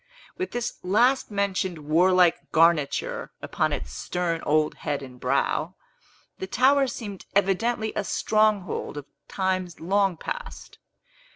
With this last mentioned warlike garniture upon its stern old head and brow, the tower seemed evidently a stronghold of times long past.